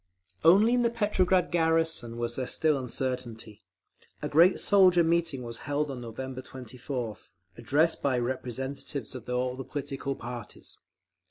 Only in the Petrograd garrison was there still uncertainty. A great soldier meeting was held on November 24th, addressed by representatives of all the political parties.